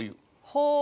はあ。